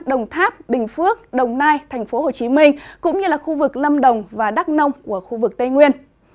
đồng tháp bình phước đồng nai tp hcm cũng như là khu vực lâm đồng và đắk nông của khu vực tây nguyên